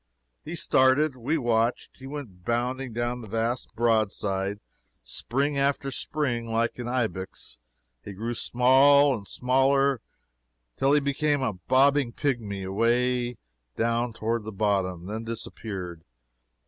He started. We watched. He went bounding down the vast broadside, spring after spring, like an ibex. He grew small and smaller till he became a bobbing pigmy, away down toward the bottom then disappeared.